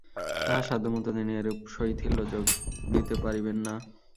তাঁহার সাধ্যমত তিনি এরূপ শৈথিল্যে যোগ দিতে পারিবেন না।